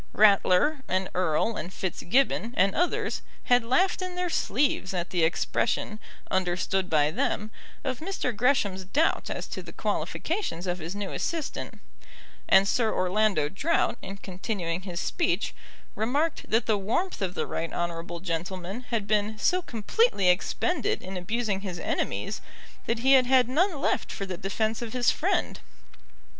Ratler, and Erle, and Fitzgibbon, and others had laughed in their sleeves at the expression, understood by them, of Mr. Gresham's doubt as to the qualifications of his new assistant, and Sir Orlando Drought, in continuing his speech, remarked that the warmth of the right honourable gentleman had been so completely expended in abusing his enemies that he had had none left for the defence of his friend.